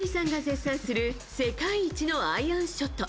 服部さんが絶賛する世界一のアイアンショット。